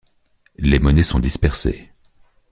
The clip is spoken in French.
Les monnaies sont dispersées.